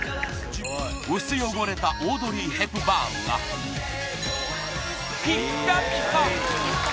薄汚れたオードリー・ヘプバーンがピッカピカ